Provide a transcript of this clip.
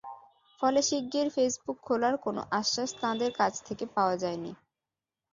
ফলে শিগগির ফেসবুক খোলার কোনো আশ্বাস তাঁদের কাছ থেকে পাওয়া যায়নি।